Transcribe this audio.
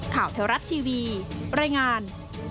ข่าวเทวรัฐทีวีรายงาน